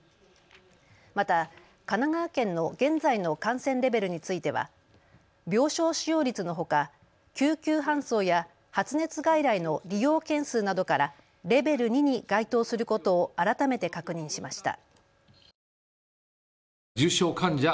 また神奈川県の現在の感染レベルについては病床使用率のほか救急搬送や発熱外来の利用件数などからレベル２に該当することを改めて確認しました。